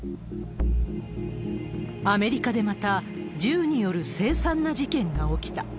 アメリカでまた銃による凄惨な事件が起きた。